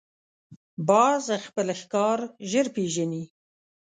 باز خپل ښکار ژر پېژني